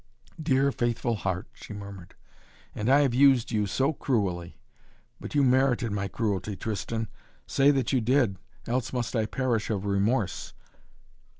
"Dear, faithful heart," she murmured. "And I have used you so cruelly. But you merited my cruelty Tristan! Say that you did, else must I perish of remorse."